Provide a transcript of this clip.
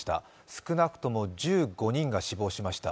少なくとも１５人が死亡しました。